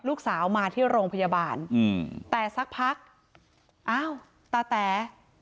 ลูกสาวมาที่โรงพยาบาลอืมแต่สักพักอ้าวตาแต๋